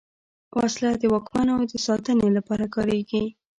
وسله د واکمنو د ساتنې لپاره کارېږي